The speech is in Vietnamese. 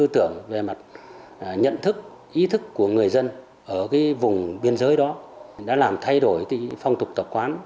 tư tưởng về mặt nhận thức ý thức của người dân ở vùng biên giới đó đã làm thay đổi phong tục tập quán